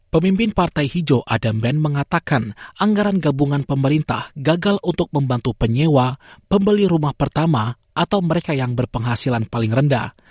pemimpin partai hijau adamben mengatakan anggaran gabungan pemerintah gagal untuk membantu penyewa pembeli rumah pertama atau mereka yang berpenghasilan paling rendah